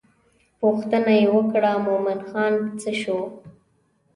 پوښتنه یې وکړه مومن خان څه شو.